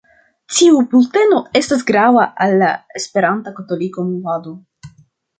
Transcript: Tiu bulteno estas grava al la Esperanta Katolika Movado.